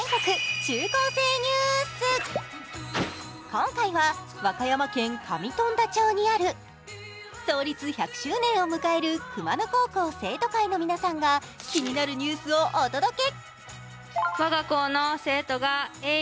今回は和歌山県上富田町にある創立１００周年を迎える熊野高校生徒会の皆さんが気になるニュースをお届け。